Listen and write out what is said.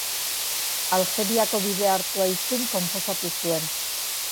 Aljeriako bidea hartu aitzin konposatu zuen.